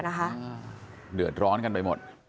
เดือดร้อนกันไปหมด